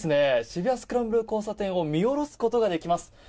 渋谷・スクランブル交差点を見下ろすことができます。